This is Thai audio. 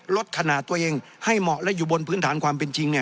ลดขนาดตัวเองให้เหมาะและอยู่บนพื้นฐานความเป็นจริง